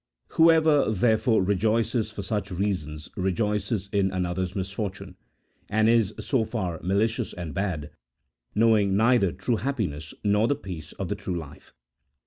Whoever, therefore, rejoices for such reasons, rejoices in another's misfortune, and is, so far, malicious and bad, knowing neither true happiness nor the peace of the true life.